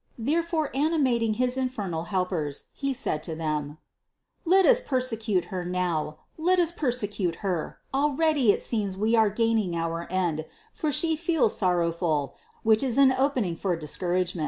Therefore, animating his infernal helpers, he said to them : "Let us persecute Her now, let us persecute Her; already it seems we are gaining our end, for She feels sorrowful, which is an opening for discouragement."